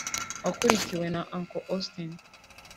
wakurikiwe na Uncle Austin